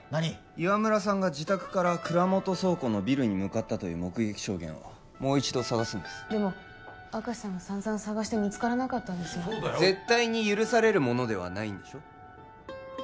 岩村さんが自宅からくらもと倉庫のビルに向かったという目撃証言をもう一度探すんですでも明石さんがさんざん探して見つからなかった絶対に許されるものではないんでしょ？